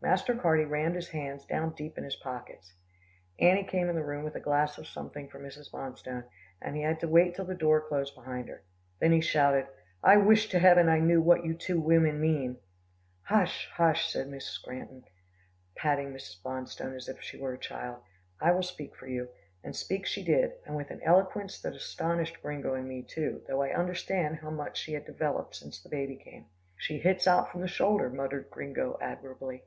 Master Carty rammed his hands down deep in his pockets. Annie came in the room with a glass of something for Mrs. Bonstone, and he had to wait till the door closed behind her. Then he shouted, "I wish to heaven I knew what you two women mean." "Hush, hush," said Mrs. Granton patting Mrs. Bonstone as if she were a child. "I will speak for you," and speak she did, and with an eloquence that astonished Gringo and me, too, though I understand how much she had developed since the baby came. "She hits out from the shoulder," muttered Gringo admiringly.